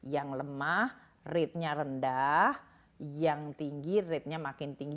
yang lemah rate nya rendah yang tinggi rate nya makin tinggi